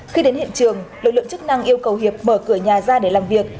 khi đến hiện trường lực lượng chức năng yêu cầu hiệp mở cửa nhà ra để làm việc